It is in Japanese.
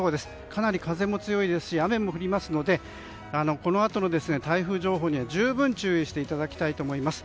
かなり風も強いですし雨も降りますのでこのあとの台風情報には十分注意していただきたいと思います。